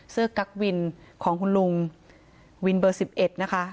เสื้อกักวินของคุณลุงวินเบอร์สิบเอ็ดนะคะ